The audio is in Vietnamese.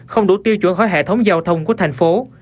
không đủ tiêu chuẩn khỏi hệ thống giao thông của thành phố